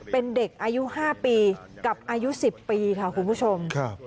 เป็นเด็กอายุ๕ปีกับอายุ๑๐ปีค่ะคุณผู้ชม